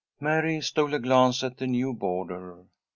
Mary stole a glance at the new boarder.